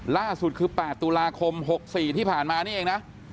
ล่าสุดคือ๘ดค๑๙๖๔ที่ผ่านมานี้เอง